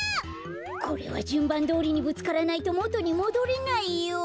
これはじゅんばんどおりにぶつからないともとにもどれないよ。